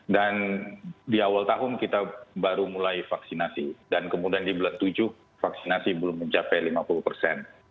dan di awal tahun kita baru mulai vaksinasi dan kemudian di bulan tujuh vaksinasi belum mencapai lima puluh persen